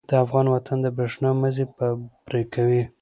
د افغان وطن د برېښنا مزی به پرې کوي.